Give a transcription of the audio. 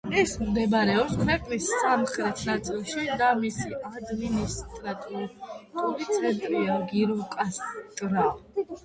ის მდებარეობს ქვეყნის სამხრეთ ნაწილში და მისი ადმინისტრაციული ცენტრია გიროკასტრა.